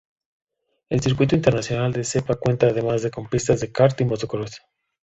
El Circuito Internacional de Sepang cuenta además con pistas de "kart" y motocross.